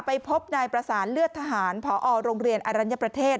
พบนายประสานเลือดทหารพอโรงเรียนอรัญญประเทศ